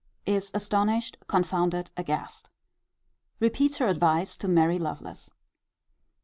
Is astonished, confounded, aghast. Repeats her advice to marry Lovelace.